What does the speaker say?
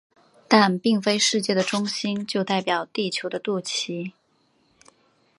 但并非世界的中心就代表地球的肚脐。